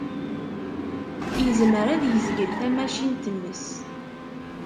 Yezmer ad yezgel tamacint-nnes.